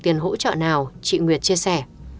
tiền hỗ trợ nào chị nguyệt chia sẻ